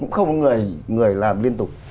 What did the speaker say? không có người làm liên tục